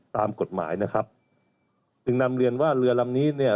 หรือนำเรียนว่าเรือลำงานต่างถึงภาพที่สร้าง